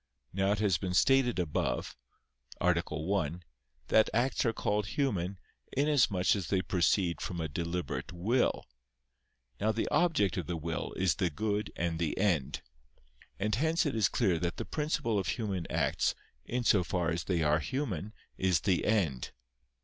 Now it has been stated above (A. 1) that acts are called human, inasmuch as they proceed from a deliberate will. Now the object of the will is the good and the end. And hence it is clear that the principle of human acts, in so far as they are human, is the end.